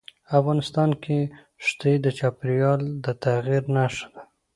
افغانستان کې ښتې د چاپېریال د تغیر نښه ده.